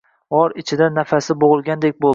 G`or ichida nafasi bo`g`ilgandek bo`ldi